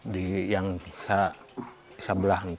di yang sebelah ini